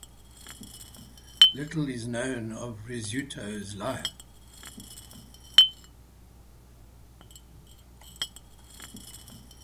Little is known of Rizzuto's life.